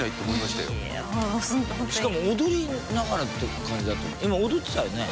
しかも踊りながらって感じだった。